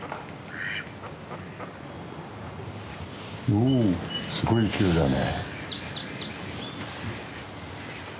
おおすごい勢いだね。